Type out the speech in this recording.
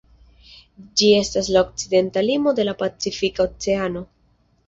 Ĝi estas la okcidenta limo de la Pacifika Oceano.